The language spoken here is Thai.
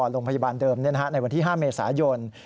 โรงพยาบาลเดิมในวันที่๕เมษายน